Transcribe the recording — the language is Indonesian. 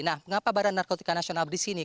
nah kenapa badan narkotika nasional disini